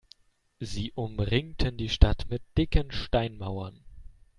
Sie umringten die Stadt mit dicken Steinmauern.